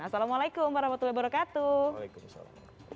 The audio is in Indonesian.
assalamualaikum warahmatullahi wabarakatuh